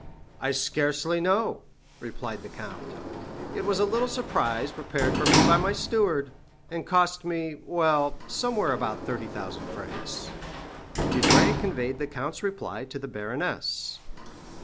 "I scarcely know," replied the count; "it was a little surprise prepared for me by my steward, and cost me—well, somewhere about 30,000 francs." Debray conveyed the count's reply to the baroness.